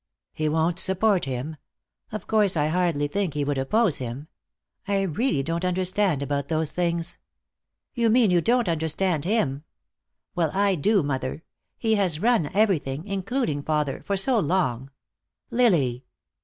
"He won't support him. Of course I hardly think he would oppose him. I really don't understand about those things." "You mean you don't understand him. Well, I do, mother. He has run everything, including father, for so long " "Lily!"